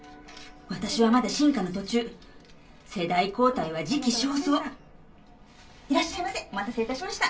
私はまだ進化の途中世代交代は時期尚早いらっしゃいませお待たせいたしました。